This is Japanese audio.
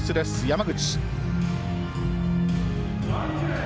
山口。